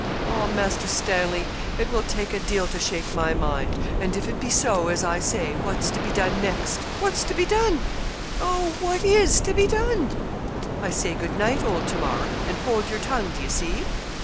'Oh, Master Stanley, it will take a deal to shake my mind; and if it be so, as I say, what's to be done next what's to be done oh, what is to be done?' 'I say good night, old Tamar; and hold your tongue, do you see?'